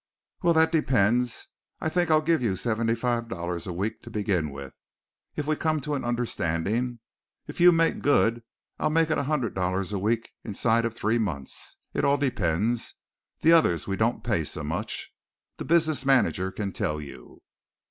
"Well, that depends. I think I'll give you seventy five dollars a week to begin with, if we come to an understanding. If you make good I'll make it a hundred dollars a week inside of three months. It all depends. The others we don't pay so much. The business manager can tell you."